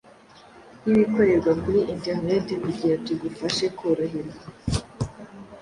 yibikorerwa kuri internet kugira tugufashe kworoherwa